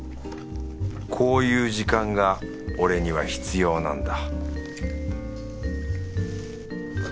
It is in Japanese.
こういう時間が俺には必要なんだ